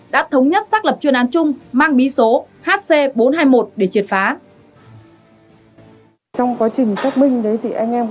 đã thống nhất xác lập chuyên án chung mang bí số hc bốn trăm hai mươi một để triệt phá